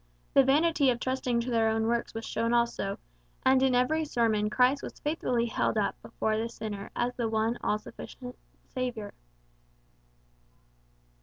The vanity of trusting to their own works was shown also; and in every sermon Christ was faithfully held up before the sinner as the one all sufficient Saviour.